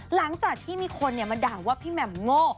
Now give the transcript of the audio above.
หลังจากที่มีคนมาด่าว่าพี่แหม่มโง่